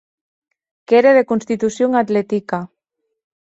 Qu'ère de constitucion atletica.